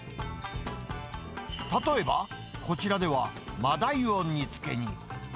例えば、こちらではマダイを煮つけに。